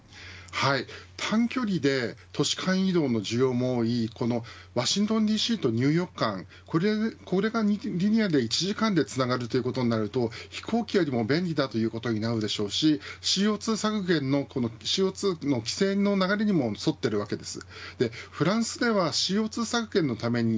短距離で都市間移動の需要も多いワシントンＤＣとニューヨーク間これがリニアで１時間でつながるということになると飛行機よりも便利ということになるでしょうし、ＣＯ２削減の規制の流れにも沿っているわけです。